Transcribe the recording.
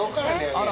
あら。